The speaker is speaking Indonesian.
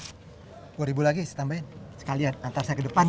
dua ribu lagi saya tambahin sekalian antar saya ke depan